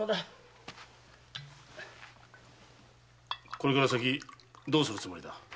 これから先どうするつもりだ？